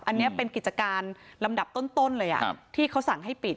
อันนี้เป็นกิจการลำดับต้นเลยที่เขาสั่งให้ปิด